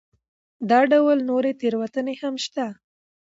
دا ډول نورې تېروتنې هم شته.